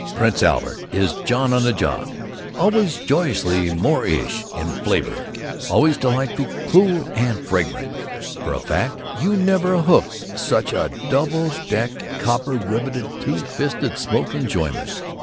Prince Albert is john on the job always joy'usly more ish in flavor; always delightfully cool and fragrant! For a fact, you never hooked such double decked, copper riveted, two fisted smoke enjoyment!